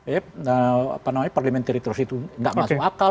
eh apa namanya parliamentary trust itu nggak masuk akal